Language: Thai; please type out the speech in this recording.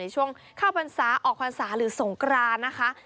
ช่วงข้าวฟันศาออกฟันศาหรือสงกรานนะคะ